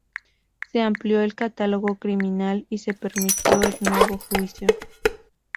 Se amplió el catálogo criminal y se permitió el nuevo juicio.